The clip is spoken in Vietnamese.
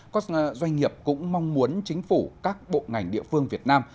các doanh nghiệp cũng mong muốn chính phủ các bộ ngành địa phương việt nam